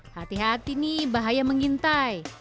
hati hati nih bahaya mengintai